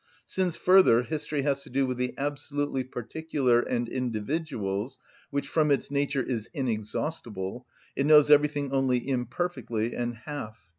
Since, further, history has to do with the absolutely particular and individuals, which from its nature is inexhaustible, it knows everything only imperfectly and half.